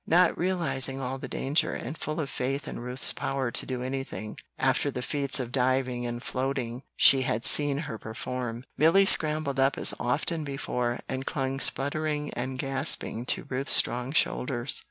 Not realizing all the danger, and full of faith in Ruth's power to do anything, after the feats of diving and floating she had seen her perform, Milly scrambled up as often before, and clung spluttering and gasping to Ruth's strong shoulders.